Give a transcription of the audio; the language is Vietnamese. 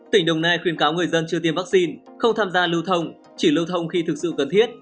tỉnh đồng nai khuyên cáo người dân chưa tiêm vaccine không tham gia lưu thông chỉ lưu thông khi thực sự cần thiết